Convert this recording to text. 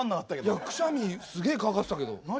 いやくしゃみすげえかかってたけど。